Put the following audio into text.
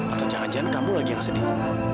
atau jangan jangan kamu lagi yang sedih